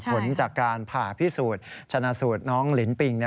ผลจากการผ่าพิสูจน์ชนะสูตรน้องลินปิง